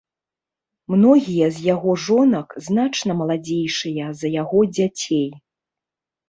Многія з яго жонак значна маладзейшыя за яго дзяцей.